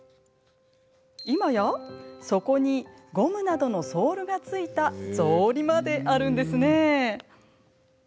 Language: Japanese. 今や底にゴムなどのソールが付いた草履まであるんですね。